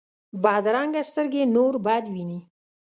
بدرنګه سترګې نور بد ویني